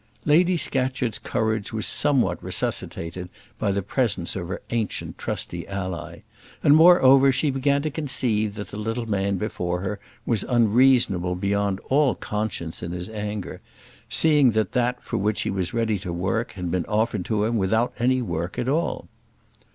Lady Scatcherd's courage was somewhat resuscitated by the presence of her ancient trusty ally; and, moreover, she began to conceive that the little man before her was unreasonable beyond all conscience in his anger, seeing that that for which he was ready to work had been offered to him without any work at all.